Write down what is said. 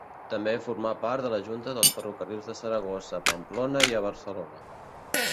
També formà part de la junta dels Ferrocarrils de Saragossa a Pamplona i a Barcelona.